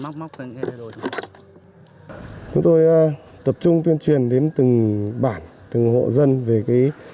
chúng tôi tập trung tuyên truyền đến từng bản từng hộ dân về